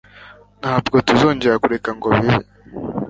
Ntabwo tuzongera kureka ngo bibe.